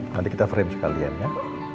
nanti kita frame sekalian ya